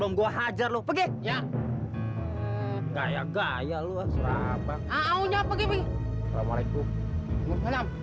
sampai jumpa di video selanjutnya